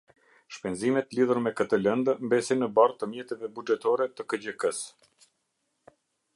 Shpenzimet lidhur me kete lende mbesin ne barre te mjeteve buxhetore te Kgjk-se.